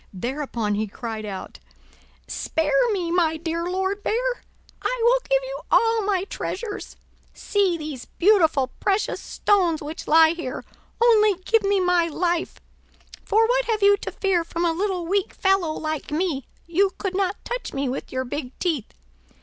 Thereupon, he cried out: "Spare me, my dear Lord Bear! I will give you all my treasures. See these beautiful precious stones which lie here; only give me my life; for what have you to fear from a little weak fellow like me? you could not touch me with your big teeth.